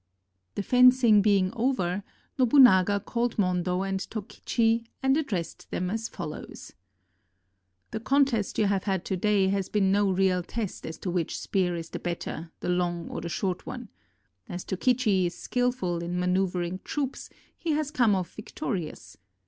The fencing being over, Nobunaga called Mundo and Tokichi and addressed them as follows: "The contest you have had to day has been no real test as to which spear is the better, the long or the short one. As Tokichi is skillful in maneuvering troops, he has come off vic torious.